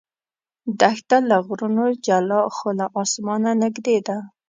دښته له غرونو جلا خو له اسمانه نږدې ده.